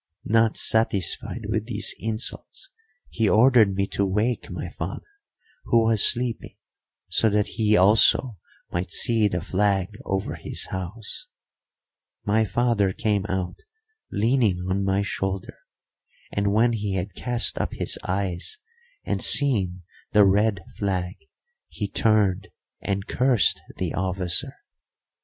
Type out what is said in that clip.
Not satisfied with these insults, he ordered me to wake my father, who was sleeping, so that he also might see the flag over his house. My father came out leaning on my shoulder, and when he had cast up his eyes and seen the red flag he turned and cursed the officer.